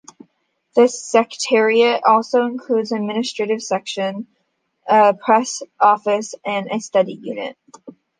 The Secretariat also includes an administrative section, a press office and a Study Unit.